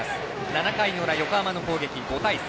７回の裏、横浜の攻撃、５対３。